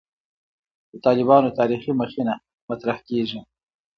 د «طالبانو تاریخي مخینه» مطرح کېږي.